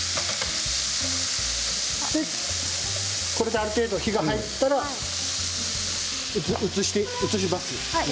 ある程度、火が入ったら移します。